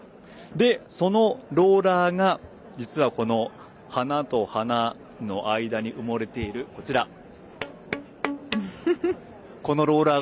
そのローラーが実は花と花の間に埋もれているこのローラー。